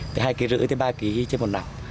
tới hai năm kg tới ba kg trên một năm